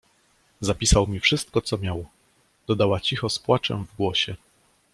"Zapisał mi wszystko co miał..., dodała cicho z płaczem w głosie."